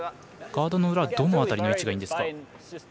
ガードの裏どの辺りの位置がいいですか。